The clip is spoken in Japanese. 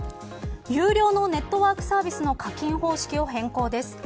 有料のネットワークサービスの課金方式を変更です。